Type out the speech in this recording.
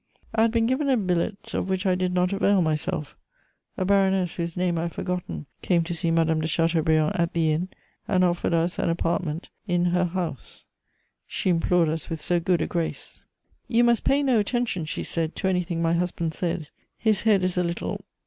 I had been given a billet of which I did not avail myself; a baroness whose name I have forgotten came to see Madame de Chateaubriand at the inn and offered us an apartment in her house: she implored us with so good a grace! "You must pay no attention," she said, "to anything my husband says: his head is a little...